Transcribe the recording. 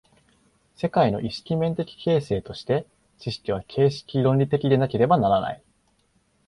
世界の意識面的形成として、知識は形式論理的でなければならない。